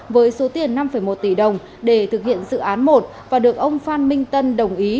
với số tiền năm một tỷ đồng để thực hiện dự án một và được ông phan minh tân đồng ý